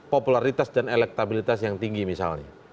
popularitas dan elektabilitas yang tinggi misalnya